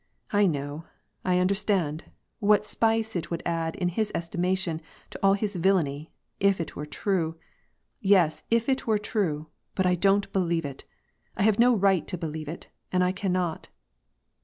I know, I understand, what spice it would add in his estimation to his villany, if this were true ! Yes, if it were true ; but I don't believe it ! I have no right to believe it, and I cannot